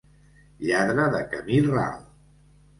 Lladre de camí ral.